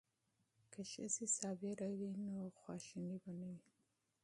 که میندې صابرې وي نو غوسه به نه وي.